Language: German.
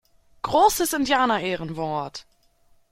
Großes Indianerehrenwort!